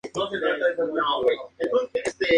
En el retablo se encuentra un crucificado.